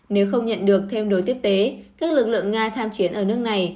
nếu không nhận được thêm đối tiếp tế các lực lượng nga tham chiến ở nước này